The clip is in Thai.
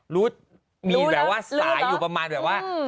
รู้มีแบบว่าสายอยู่ประมาณแบบว่า